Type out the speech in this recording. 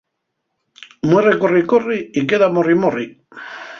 Muerre corri corri y queda morri morri.